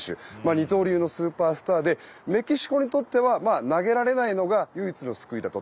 二刀流のスーパースターでメキシコにとっては投げられないのが唯一の救いだと。